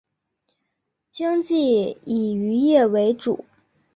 经济以渔业为主。